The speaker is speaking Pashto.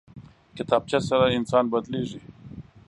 کتابچه سره انسان بدلېږي